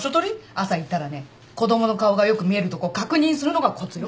朝行ったらね子供の顔がよく見えるとこ確認するのがコツよ。